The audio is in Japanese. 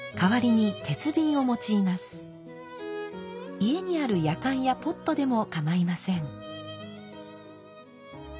家にあるやかんやポットでもかまいません。